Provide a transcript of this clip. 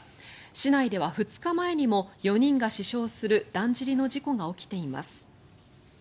市内では２日前にも４人が死傷するだんじりの事故が起きています。